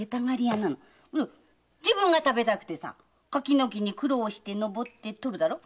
自分が食べたくてさ柿の木に苦労して登って取るだろ？